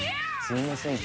すいません